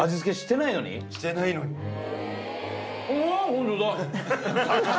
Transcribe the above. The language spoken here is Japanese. ホントだ。